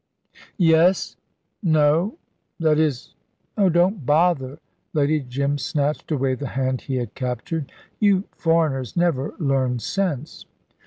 "Yes no that is oh, don't bother"; Lady Jim snatched away the hand he had captured. "You foreigners never learn sense."